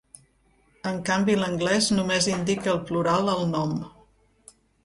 En canvi l'anglès només indica el plural al nom.